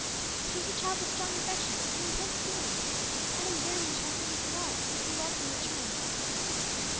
She was a child with strong affections and intense feelings, and a yearning to have some one to love, and to be loved in return.